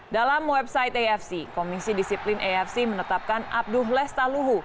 dalam website afc komisi disiplin afc menetapkan abduh lestaluhu